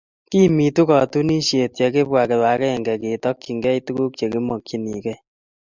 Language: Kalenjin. Kimiitu katunisiet ye kibwaa kip agenge ketokchigeei tuguk che kimokchinigeei